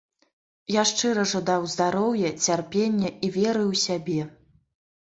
Я шчыра жадаю здароўя, цярпення і веры ў сябе.